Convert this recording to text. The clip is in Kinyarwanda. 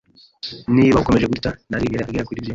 Niba akomeje gutya, ntazigera agera kuri byinshi.